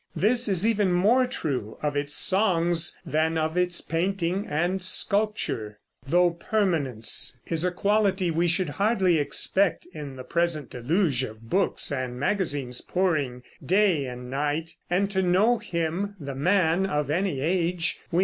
This is even more true of its songs than of its painting and sculpture; though permanence is a quality we should hardly expect in the present deluge of books and magazines pouring day and night from our presses in the name of literature.